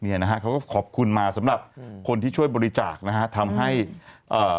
เนี่ยนะฮะเขาก็ขอบคุณมาสำหรับคนที่ช่วยบริจาคนะฮะทำให้เอ่อ